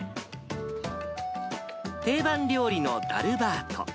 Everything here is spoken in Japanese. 定番料理のダルバート。